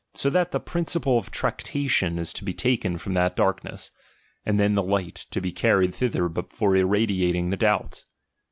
So that the principle of tractatiou is to be taken from that darkness ; and then the light to be carried thither for irradiating the doubts.